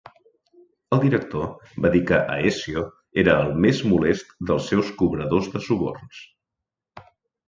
El director va dir que Aécio era "el més molest" dels seus cobradors de suborns.